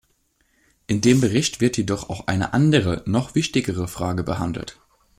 In dem Bericht wird jedoch auch eine andere, noch wichtigere Frage behandelt.